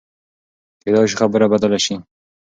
کېدای شي خبره بدله شي.